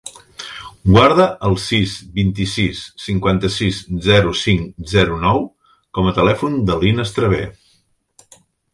Guarda el sis, vint-i-sis, cinquanta-sis, zero, cinc, zero, nou com a telèfon de l'Inas Traver.